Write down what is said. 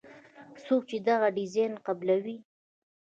څوک چې دغه ډیزاین قبلوي.